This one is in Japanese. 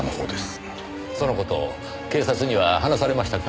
その事警察には話されましたか？